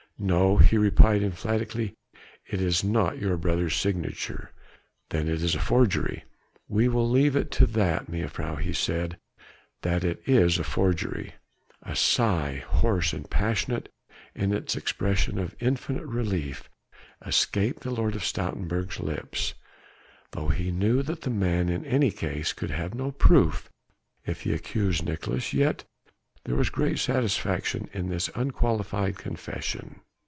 "No!" he replied emphatically, "it is not your brother's signature." "Then it's a forgery?" "We will leave it at that, mejuffrouw," he said, "that it is a forgery." A sigh, hoarse and passionate in its expression of infinite relief, escaped the Lord of Stoutenburg's lips. Though he knew that the man in any case could have no proof if he accused Nicolaes, yet there was great satisfaction in this unqualified confession.